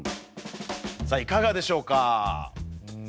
さあいかがでしょうか？